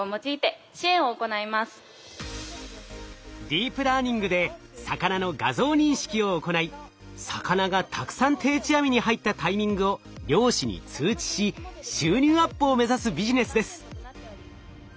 ディープラーニングで魚の画像認識を行い魚がたくさん定置網に入ったタイミングを漁師に通知し収入アップを目指すビジネスです。